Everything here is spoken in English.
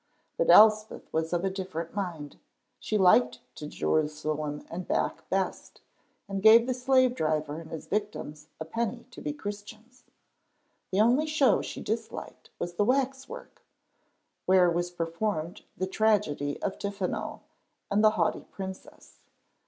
But Elspeth was of a different mind. She liked To Jerusalem and Back best, and gave the Slave driver and his Victims a penny to be Christians. The only show she disliked was the wax work, where was performed the "Tragedy of Tiffano and the Haughty Princess."